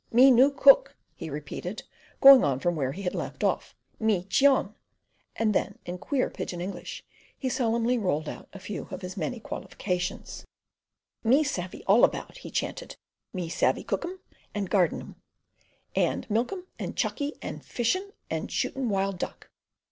"Me new cook!" he repeated, going on from where he had left off. "Me Cheon!" and then, in queer pidgin English, he solemnly rolled out a few of his many qualifications: "Me savey all about," he chanted. "Me savey cook 'im, and gard'in', and milk 'im, and chuckie, and fishin' and shootin' wild duck."